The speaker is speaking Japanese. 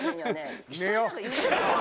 寝よう。